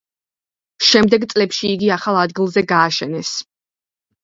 შემდეგ წლებში იგი ახალ ადგილზე გააშენეს.